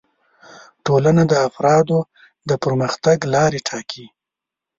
ټولنه د افرادو د پرمختګ لارې ټاکي